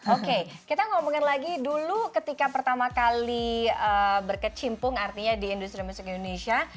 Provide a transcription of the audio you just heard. oke kita ngomongin lagi dulu ketika pertama kali berkecimpung artinya di industri musik indonesia